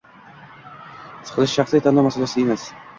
Siqilish – shaxsiy tanlov masalasi emas.